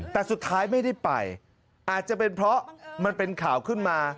แต่สุดท้ายไม่ได้ไปอาจจะเป็นเพราะมันเป็นข่าวขึ้นมา